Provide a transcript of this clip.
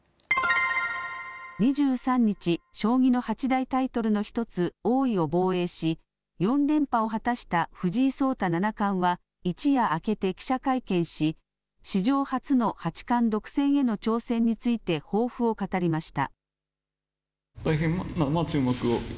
２３日、将棋の八大タイトルの１つ王位を防衛し４連覇を果たした藤井聡太七冠は一夜明けて記者会見し史上初の八冠独占への挑戦について抱負を語りました。